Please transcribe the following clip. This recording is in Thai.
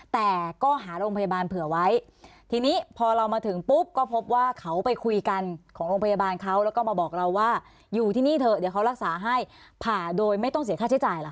แต่ก็หาโรงพยาบาลเผื่อไว้ทีนี้พอเรามาถึงปุ๊บก็พบว่าเขาไปคุยกันของโรงพยาบาลเขาแล้วก็มาบอกเราว่าอยู่ที่นี่เถอะเดี๋ยวเขารักษาให้ผ่าโดยไม่ต้องเสียค่าใช้จ่ายล่ะค